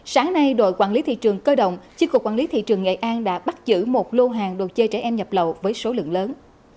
sáng nay đội quản lý thị trường cơ động chiếc cục quản lý thị trường nghệ an đã bắt giữ một lô hàng đồ chơi trẻ em nhập lậu với số lượng lớn